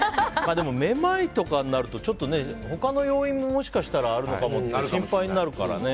めまいとかになると他の要因ももしかしたらあるのかもと心配になるからね。